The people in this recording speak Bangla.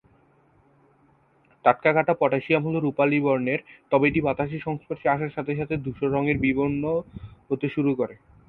টাটকা কাটা পটাসিয়াম হলো রূপালী বর্ণের, তবে এটি বাতাসের সংস্পর্শে আসার সাথে সাথে ধূসর রঙের দিকে বিবর্ণ হতে শুরু করে।